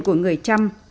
của người trăm